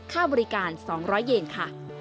ค่าบริการ๒๐๐เยนค่ะ